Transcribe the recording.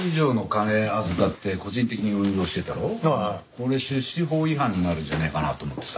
これ出資法違反になるんじゃねえかなと思ってさ。